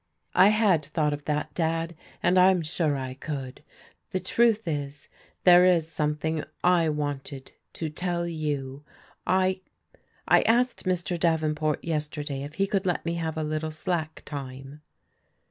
" I had thought of that. Dad, and I'm sure I could. The truth is there is something I wanted to tell you. I — I asked Mr. Davenport yesterday if he could let me have a little slack time."